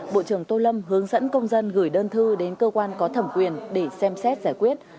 bộ trưởng tô lâm hướng dẫn công dân gửi đơn thư đến cơ quan có thẩm quyền để xem xét giải quyết